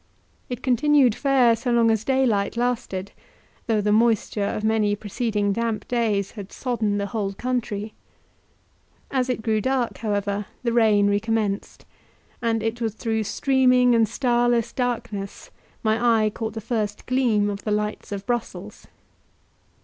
It continued fair so long as daylight lasted, though the moisture of many preceding damp days had sodden the whole country; as it grew dark, however, the rain recommenced, and it was through streaming and starless darkness my eye caught the first gleam of the lights of Brussels.